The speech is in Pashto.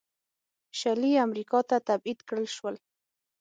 شلي امریکا ته تبعید کړل شول.